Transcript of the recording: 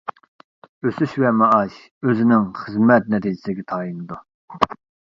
ئۆسۈش ۋە مائاش ئۆزىنىڭ خىزمەت نەتىجىسىگە تايىنىدۇ.